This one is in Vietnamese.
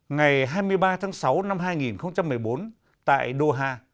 ngày hai mươi ba tháng sáu năm hai nghìn một mươi bốn tại đô ha